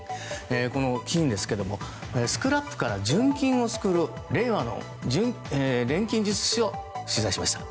この金ですがスクラップから純金を作る令和の錬金術師を取材しました。